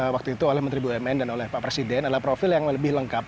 waktu itu oleh menteri bumn dan oleh pak presiden adalah profil yang lebih lengkap